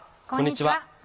こんにちは。